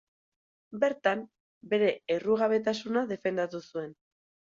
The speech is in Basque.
Bertan bere errugabetasuna defendatu zuen.